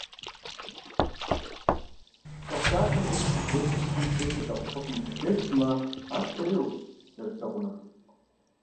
Кхъухьлъатэм уису е бгыщхьэм утету лэгъупыкъум укъыщеплъмэ, ар хъурейуэщ зэрыплъэгъунур.